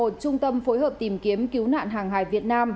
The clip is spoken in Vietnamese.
trung tâm phối hợp tìm kiếm cứu nạn hàng hải việt nam